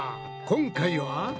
今回は？